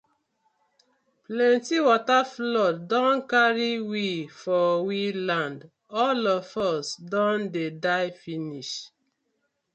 Plenti wata flood don karry we for we land, all of us don dey die finish.